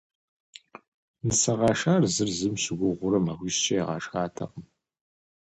Нысэ къашар зыр зым щыгугъыурэ махуищкӏэ ягъэшхатэкъым.